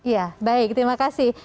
ya baik terima kasih